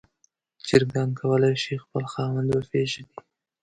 چرګان کولی شي خپل خاوند وپیژني.